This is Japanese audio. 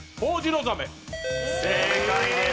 正解です。